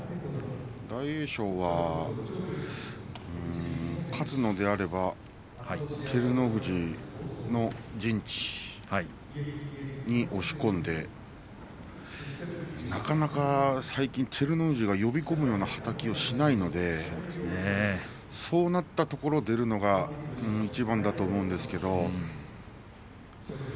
大栄翔は勝つのであれば照ノ富士の陣地に押し込んでなかなか最近照ノ富士が呼び込むようなはたきをしないのでそうなったところを出るのがいちばんだと思うんですけれど。